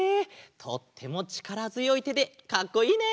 とってもちからづよいてでかっこいいね！